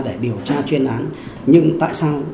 để điều tra chuyên án nhưng tại sao